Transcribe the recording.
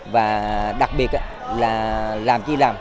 và đặc biệt là làm chi làm